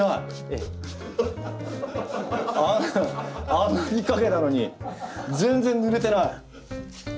あんなにかけたのに全然ぬれてない。